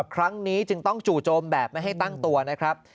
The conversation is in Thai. ครั้งนี้จึงต้องจู่โจมแบบไม่ให้ตั้งตัวนะครับ